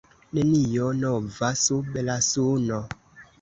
Nenio nova sub la suno.